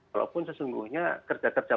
walaupun sesungguhnya kerja kerja